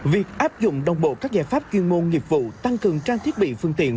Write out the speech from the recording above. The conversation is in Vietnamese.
việc áp dụng đồng bộ các giải pháp chuyên môn nghiệp vụ tăng cường trang thiết bị phương tiện